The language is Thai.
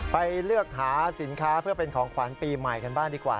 ไปเลือกหาสินค้าเพื่อเป็นของขวัญปีใหม่กันบ้างดีกว่า